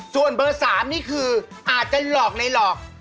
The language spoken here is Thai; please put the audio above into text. ส่วนเบอร์๓นี่คืออาจจะหลอกในหลอก